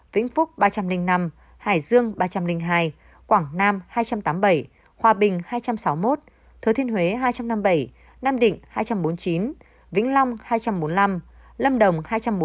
vĩnh phúc ba trăm linh năm hải dương ba trăm linh hai quảng nam hai trăm tám mươi bảy hòa bình hai trăm sáu mươi một thừa thiên huế hai trăm năm mươi bảy nam định hai trăm bốn mươi chín vĩnh long hai trăm bốn mươi năm lâm đồng hai trăm bốn mươi chín